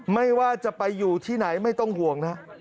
ไม่ว่าจะไปอยู่ที่ไหนไม่ต้องห่วงนะ